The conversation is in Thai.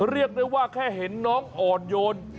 เรียกได้ว่าแค่เห็นน้องอ่อนโยน